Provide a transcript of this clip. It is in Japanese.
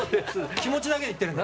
気持ちだけでいってるんで。